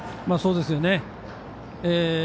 そうですよね。